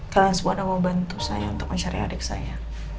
kalian semua udah mau bantu saya untuk mencari adik saya